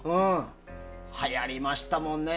はやりましたもんね。